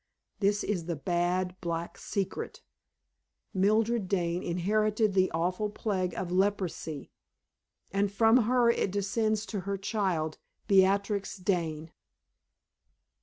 This is the bad, black secret: Mildred Dane inherited the awful plague of leprosy, and from her it descends to her child, Beatrix Dane!"